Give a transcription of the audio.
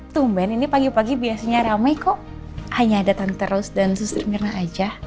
tumben ini pagi pagi biasanya ramai kok hanya datang terus dan susur mirna aja